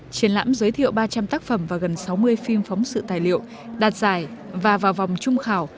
triển lãm giới thiệu ba trăm linh tác phẩm và gần sáu mươi phim phóng sự tài liệu đạt giải và vào vòng trung khảo